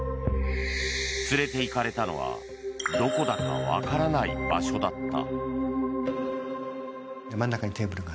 連れていかれたのはどこだか分からない場所だった。